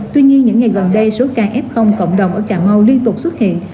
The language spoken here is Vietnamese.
tuy nhiên những ngày gần đây số kf cộng đồng ở cà mau liên tục xuất hiện